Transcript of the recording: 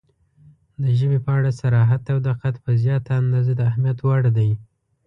• د ژبې په اړه صراحت او دقت په زیاته اندازه د اهمیت وړ دی.